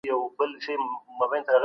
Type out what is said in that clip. تل د قانون او اصولو بشپړ درناوی وکړئ.